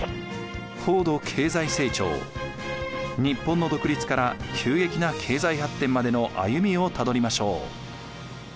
日本の独立から急激な経済発展までの歩みをたどりましょう。